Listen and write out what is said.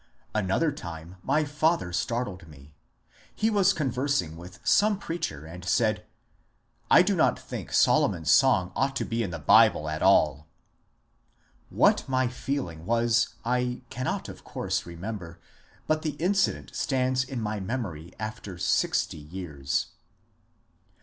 Another time my father startled me. He was conversing with some preacher and said, ^^ I do not think Solomon's Song ought to be in the Bible at all." What my feeling was I can not of course remember, but the incident stands in my mem ory after sixty years.